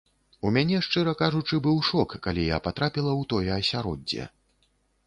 У мяне, шчыра кажучы, быў шок, калі я патрапіла ў тое асяроддзе.